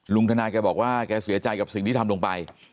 ทนายแกบอกว่าแกเสียใจกับสิ่งที่ทำลงไป